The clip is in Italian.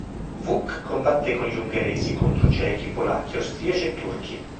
Vuk combatté con gli ungheresi contro cechi, polacchi, austriaci e turchi.